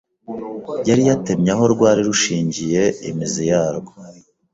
yari yatemye aho rwari rushingiye imizi yarwo